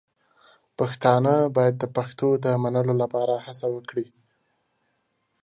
پښتانه باید د پښتو د منلو لپاره هڅه وکړي.